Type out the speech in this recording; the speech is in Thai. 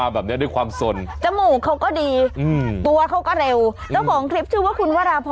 เอาไปกินตอนที่มึนเอาไปแบ่งเพื่อนด้วย